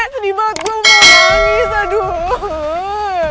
sedih banget gue mau nangis